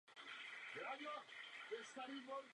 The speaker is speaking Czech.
Následné studium na Vysoké škole politické nedokončil.